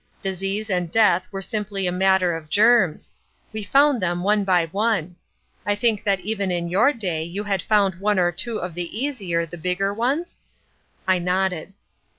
Disease and death were simply a matter of germs. We found them one by one. I think that even in your day you had found one or two of the easier, the bigger ones?" I nodded.